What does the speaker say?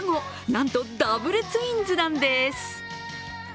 なんとダブルツインズなんです。